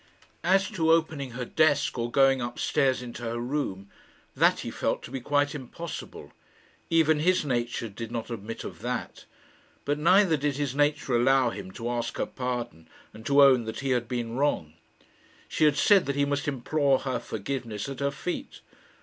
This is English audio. As to opening her desk, or going up stairs into her room, that he felt to be quite impossible. Even his nature did not admit of that. But neither did his nature allow him to ask her pardon and to own that he had been wrong. She had said that he must implore her forgiveness at her feet.